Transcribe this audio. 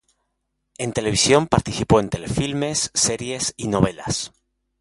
En televisión participó en telefilmes, series, y novelas.